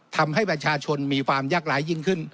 ทำให้ประชาชนมีความยากร้ายยิ่งขึ้น